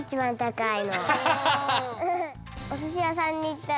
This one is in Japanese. おすしやさんにいったらね